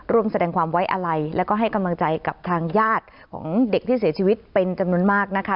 ร่วมแสดงความไว้อาลัยแล้วก็ให้กำลังใจกับทางญาติของเด็กที่เสียชีวิตเป็นจำนวนมากนะคะ